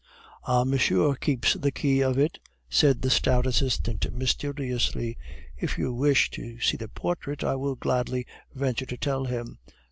"Ah, monsieur keeps the key of it," said the stout assistant mysteriously. "If you wish to see the portrait, I will gladly venture to tell him."